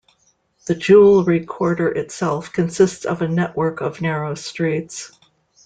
The Jewellery Quarter itself consists of a network of narrow streets.